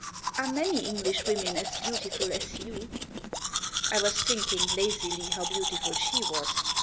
" Are many Englishwomen as beautiful as you ?" I was thinking, lazily, how beautiful she was.